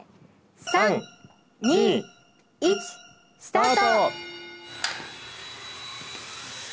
３２１スタート！